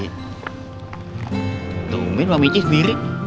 tungguin mbak michi sendiri